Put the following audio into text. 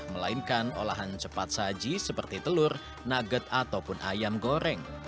melainkan olahan cepat saji seperti telur nugget ataupun ayam goreng